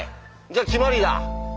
じゃあ決まりだ。